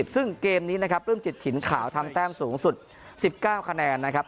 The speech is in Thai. ซึ่งเกมนี้นะครับปลื้มจิตถิ่นขาวทำแต้มสูงสุด๑๙คะแนนนะครับ